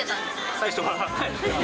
最初は。